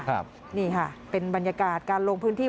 นี่ค่ะเป็นบรรยากาศการลงพื้นที่